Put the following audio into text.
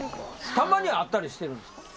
たまに会ったりしてるんですか？